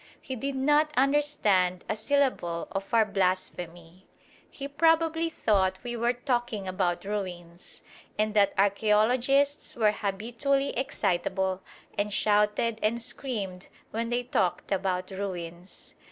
He did not understand a syllable of our blasphemy. He probably thought we were talking about ruins, and that archæologists were habitually excitable and shouted and screamed when they talked about ruins.